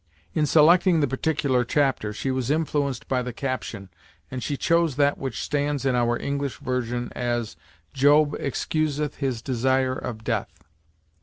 In selecting the particular chapter, she was influenced by the caption, and she chose that which stands in our English version as "Job excuseth his desire of death."